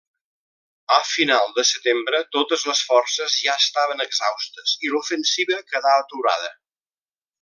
A final de setembre totes les forces ja estaven exhaustes i l'ofensiva quedà aturada.